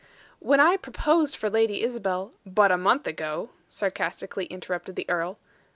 "When I proposed for Lady Isabel " "But a month ago," sarcastically interrupted the earl.